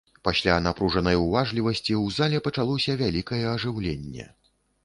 Пасля напружанай уважлівасці ў зале пачалося вялікае ажыўленне.